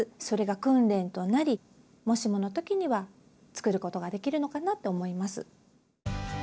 それが訓練となりもしもの時には作ることができるのかなと思います。